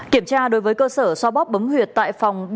kiểm tra đối với cơ sở xoa bóp bấm huyệt tại phòng